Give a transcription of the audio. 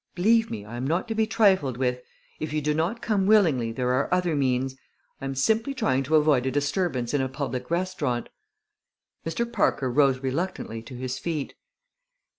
"Believe me, I am not to be trifled with. If you do not come willingly there are other means. I am simply trying to avoid a disturbance in a public restaurant." Mr. Parker rose reluctantly to his feet.